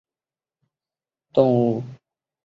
蛏蚌属为蚌目蚌科隆嵴蚌亚科一个淡水动物的属。